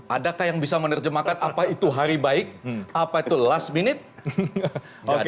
adakah yang bisa menerjemahkan apa itu hari baik apa itu last minute